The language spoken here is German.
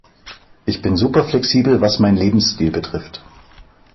Ich bin super flexibel, was mein Lebensstil betrifft.